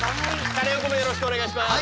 カネオくんもよろしくお願いします。